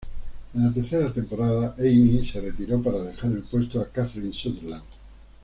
En la tercera temporada, Amy se retiró para dejar el puesto a Catherine Sutherland.